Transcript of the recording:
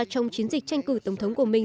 trong chiến dịch tranh cử tổng thống của mình